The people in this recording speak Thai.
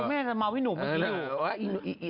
ผู้แม่เมาพี่หนูเมื่อกี๊